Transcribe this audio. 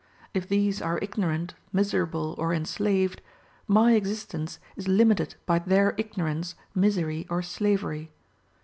If these are ignorant, miserable, or enslaved, my existence is limited by their ignorance, misery, or slavery.